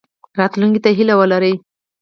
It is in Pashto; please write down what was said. راتلونکي ته هیله ولې ولرو؟